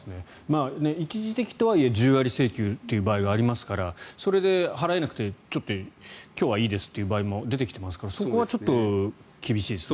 一時的とはいえ１０割請求という場合がありますからそれで払えなくてちょっと今日はいいですという場合も出てきていますからそこは厳しいですね。